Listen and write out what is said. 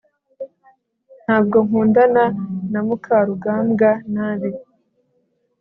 ntabwo nkundana na mukarugambwa nabi